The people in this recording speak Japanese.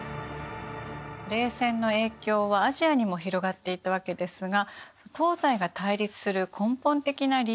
冷戦の影響はアジアにも広がっていたわけですが東西が対立する根本的な理由は何だったんでしょうか？